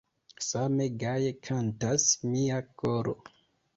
Same gaje kantas mia koro!